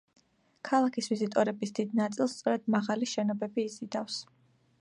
ქალაქის ვიზიტორების დიდ ნაწილს, სწორედ მაღალი შენობები იზიდავს.